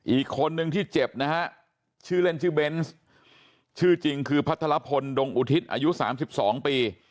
อีกคนนึงที่เจ็บนะฮะชื่อเล่นชื่อเบนส์ชื่อจริงคือพัทรพลดงอุทิศอายุ๓๒ปี